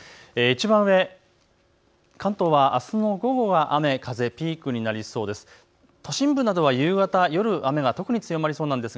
いちばん上、関東はあすの午後は雨、風ピークになりそうです。